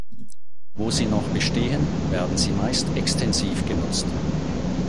Wo sie noch bestehen, werden sie meist extensiv genutzt.